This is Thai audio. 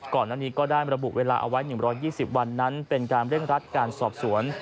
ก่อนหน้านี้ก็ได้ระบุเวลาเอาไว้๑๒๐วันนั้นเป็นการเร่งรัดการสอบสวน